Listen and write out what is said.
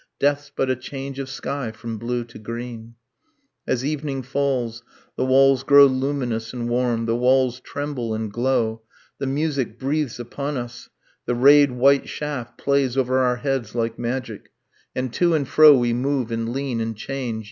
Death's but a change of sky from blue to green ... As evening falls, The walls grow luminous and warm, the walls Tremble and glow ... the music breathes upon us, The rayed white shaft plays over our heads like magic, And to and fro we move and lean and change